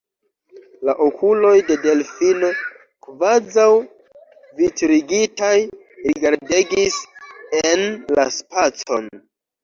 La okuloj de Delfino, kvazaŭ vitrigitaj, rigardegis en la spacon.